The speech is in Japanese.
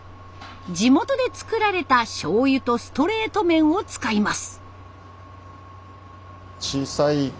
地元でつくられたしょうゆとストレート麺を使います。